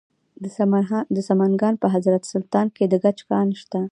د سمنګان په حضرت سلطان کې د ګچ کان شته.